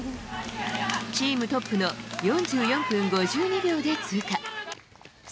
チームトップの４４分５２秒で通過。